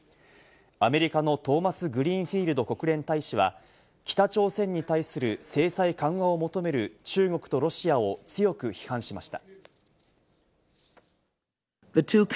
アメリカのトーマスグリーンフィールド国連大使は、北朝鮮に対する制裁緩和を求める中国とロシアを強く批判しました。